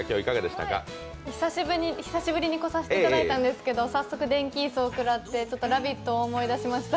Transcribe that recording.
久しぶりに来させていただいたんですけど、早速電気椅子を食らって、ちょっと「ラヴィット！」を思い出しました。